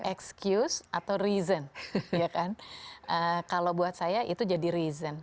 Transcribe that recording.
excuse atau reason ya kan kalau buat saya itu jadi reason